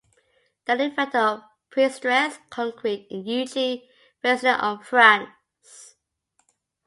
The inventor of prestressed concrete is Eugene Freyssinet of France.